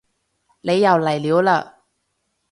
你又嚟料嘞